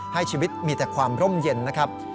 ให้ชีวิตมีแต่ความร่มเย็นนะครับ